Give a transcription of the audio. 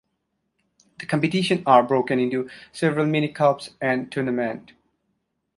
The competitions are broken into several mini cups and tournament.